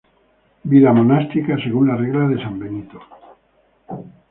Vida monástica según la Regla de San Benito.